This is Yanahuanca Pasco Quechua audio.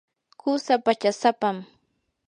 qusaa pachasapam.